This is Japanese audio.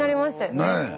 ねえ。